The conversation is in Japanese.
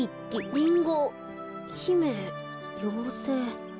リンゴひめようせい。